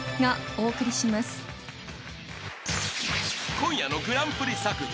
［今夜のグランプリ作品。